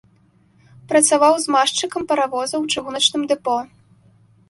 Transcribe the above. Працаваў змазчыкам паравоза ў чыгуначным дэпо.